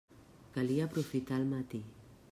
Calia aprofitar el matí.